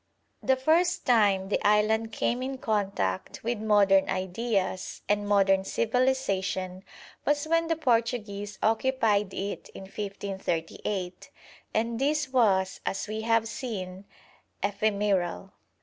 The first time the island came in contact with modern ideas and modern civilisation was when the Portuguese occupied it in 1538, and this was, as we have seen, ephemeral.